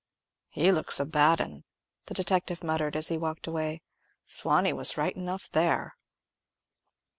"He looks a bad 'un," the detective muttered, as he walked away; "Sawney was right enough there."